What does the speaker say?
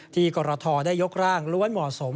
กรทได้ยกร่างล้วนเหมาะสม